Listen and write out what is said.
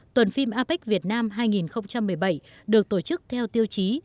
tuần phim apec việt nam hai nghìn một mươi bảy được tổ chức theo tiêu chí